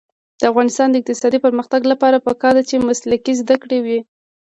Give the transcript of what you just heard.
د افغانستان د اقتصادي پرمختګ لپاره پکار ده چې مسلکي زده کړې وي.